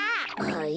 はい？